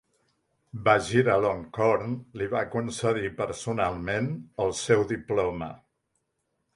Vajiralongkorn li va concedir personalment el seu diploma.